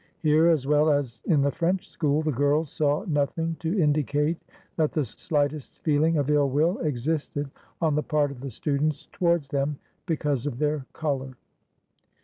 Here, as well as in the French school, the girls saw nothing to indicate that the slightest feeling of ill will existed on the part of the students towards them, because of their color.